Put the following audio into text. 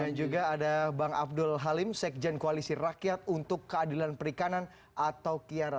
dan juga ada bang abdul halim sekjen koalisi rakyat untuk keadilan perikanan atau kiara